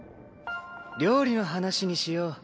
料理の話にしよう。